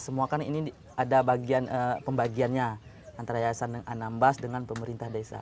semua kan ini ada bagian pembagiannya antara yayasan anambas dengan pemerintah desa